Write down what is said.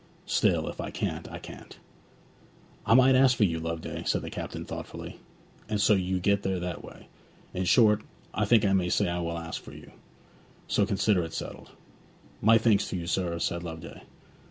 Still, if I can't, I can't.' 'I might ask for you, Loveday,' said the captain thoughtfully, 'and so get you there that way. In short, I think I may say I will ask for you. So consider it settled.' 'My thanks to you, sir,' said Loveday.